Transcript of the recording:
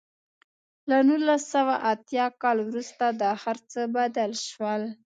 له نولس سوه اتیا کال وروسته دا هر څه بدل شول.